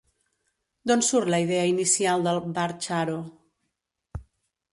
D'on surt la idea inicial del “Bar Charo”?